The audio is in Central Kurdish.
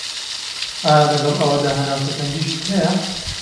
ئایا لەگەڵ ئەوەدا هەناسه تەنگیشت هەیە؟